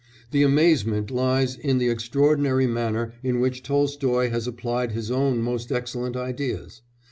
The amazement lies in the extraordinary manner in which Tolstoy has applied his own most excellent ideas.